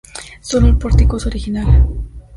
Sólo el pórtico es original.